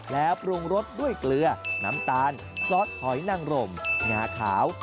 แล้วปรุงรสด้วยเกลือน้ำตาลซอสหอยนังรมงาขาว